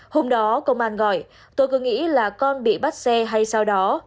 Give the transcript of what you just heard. hôm đó công an gọi tôi cứ nghĩ là con bị bắt xe hay sau đó